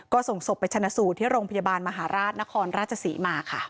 ก็ส่งศพไปชนะสูตรที่โรงพยาบาลมหาราชนครราชศรีมาค่ะ